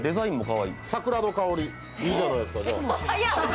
桜の香り、いいじゃないですか。